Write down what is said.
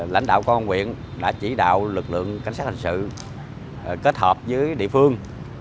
lãnh đạo công an quyện đã chỉ đạo lực lượng cảnh sát hành sự kết hợp với địa phương